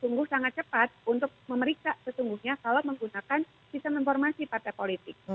karena kita sangat cepat untuk memeriksa sesungguhnya kalau menggunakan sistem informasi partai politik